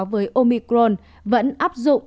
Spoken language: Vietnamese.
với omicron vẫn áp dụng